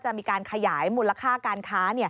จะมีการขยายมูลค่าการค้า